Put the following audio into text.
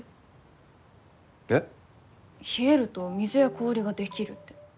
冷えると水や氷が出来るって。